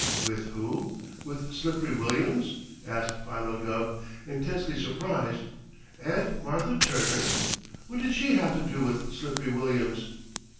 "With who? With Slippery Williams?" asked Philo Gubb, intensely surprised. "Aunt Martha Turner? What did she have to do with Slippery Williams?"